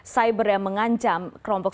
cyber yang mengancam kelompok